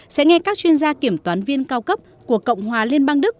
sẽ nghe các chuyên gia kiểm toán viên cao cấp của cộng hòa liên bang đức